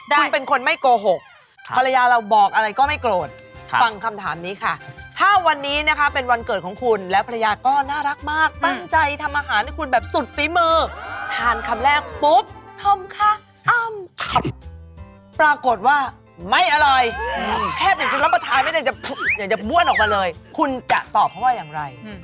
คุณเป็นคนไม่โกหกภรรยาเราบอกอะไรก็ไม่โกรธฟังคำถามนี้ค่ะถ้าวันนี้นะคะเป็นวันเกิดของคุณและภรรยาก็น่ารักมากตั้งใจทำอาหารให้คุณแบบสุดฝีมือทานคำแรกปุ๊บธอมค่ะอ้ำปรากฏว่าไม่อร่อยแทบจะรับประทานไม่ได้อยากจะบ้วนออกมาเลยคุณจะตอบเขาว่าอย่างไร